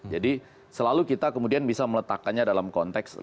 jadi selalu kita kemudian bisa meletakkannya dalam konteks